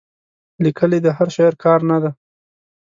لیکل یې د هر شاعر کار نه دی.